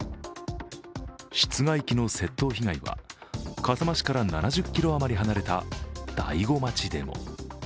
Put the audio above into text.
室外機の窃盗被害は笠間市から７０ｋｍあまり離れた大子町でも。